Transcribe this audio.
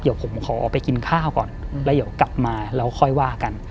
เดี๋ยวผมขอไปกินข้าวก่อนแล้วเดี๋ยวกลับมาแล้วค่อยว่ากัน